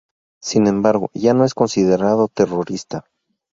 Sin embargo, ya no es considerado terrorista.